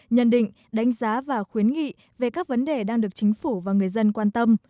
nhận định đánh giá và khuyến nghị về các vấn đề đang được chính phủ và người dân quan tâm